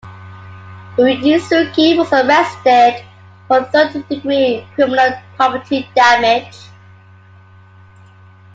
Uyesugi was arrested for third-degree criminal property damage.